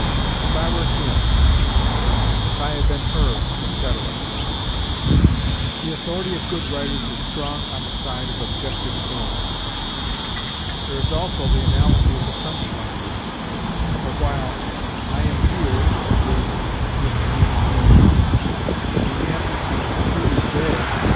'If I were him'; 'if I had been her,' etc. The authority of good writers is strong on the side of objective forms. There is also the analogy of the French language; for while 'I am here' is je suis ici, the answer to 'who is there?'